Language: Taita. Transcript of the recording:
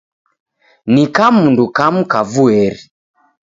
Ni kamundu kamu kavueri!